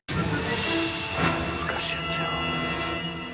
難しいやつや。